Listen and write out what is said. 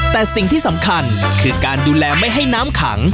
แต่สิ่งที่สำคัญคือการดูแลไม่ให้น้ำขัง